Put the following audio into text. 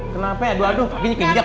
kenapa ya aduh aduh kakinya kejek